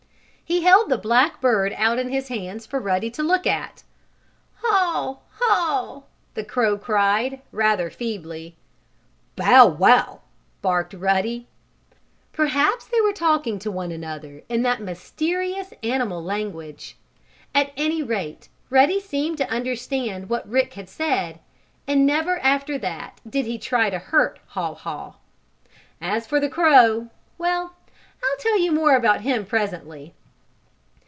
He held the black bird out in his hands for Ruddy to look at. "Haw! Haw!" the crow cried, rather feebly. "Bow wow!" barked Ruddy. [Illustration: Rick picked up the crow!] Perhaps they were talking to one another in that mysterious animal language. At any rate Ruddy seemed to understand what Rick had said, and never after that did he try to hurt Haw Haw. As for the crow well, I'll tell you more about him presently.